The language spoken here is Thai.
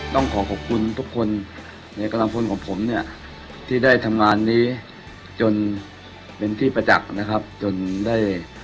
ต้องขอขอบคุณทุกคนในกำลังพลของผมเนี่ยที่ได้ทำงานนี้จนเป็นที่ประจักษ์นะครับจนได้